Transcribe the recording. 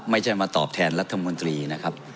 ไม่ใช่มาตอบแทนรัฐมนตรีนะครับ